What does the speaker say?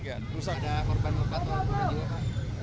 ada korban korban atau apa